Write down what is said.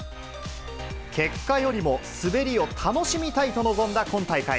結果よりも、滑りを楽しみたいと臨んだ今大会。